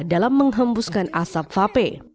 dalam menghembuskan asap vape